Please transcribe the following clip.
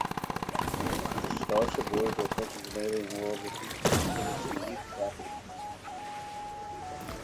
The starship "Voyager" approaches an alien world which exhibits unique properties.